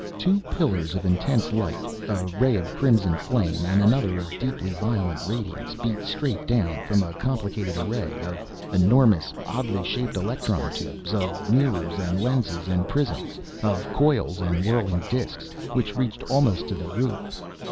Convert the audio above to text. Two pillars of intense light, a ray of crimson flame and another of deeply violet radiance, beat straight down from a complicated array of enormous, oddly shaped electron tubes, of mirrors and lenses and prisms, of coils and whirling disks, which reached almost to the roof.